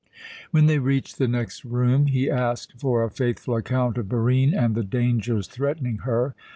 When they reached the next room he asked for a faithful account of Barine and the dangers threatening her.